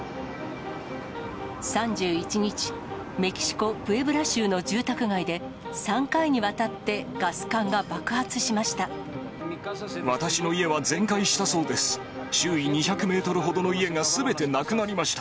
３１日、メキシコ・プエブラ州の住宅街で、３回にわたってガス管が爆発しました。